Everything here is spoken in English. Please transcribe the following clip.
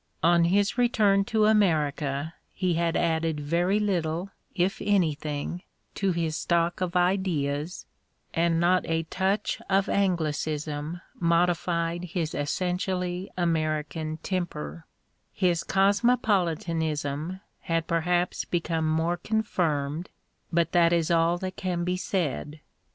On his return to America he had added very little, if anything, to his stock of ideas, and not a touch of AngUcism modified his essentially American temper : his cosmopolitanism had perhaps become more confirmed, but that is all that can be said.